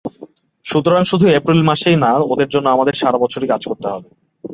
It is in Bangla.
সুতরাং শুধু এপ্রিল মাসেই না, ওদের জন্য আমাদের সারা বছরই কাজ করতে হবে।